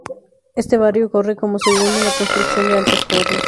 Este barrio corre como segundo en la construcción de altas torres.